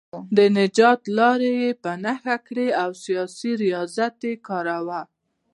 د نجات لارې یې په نښه کړې او سیاسي ریاضت یې کاوه.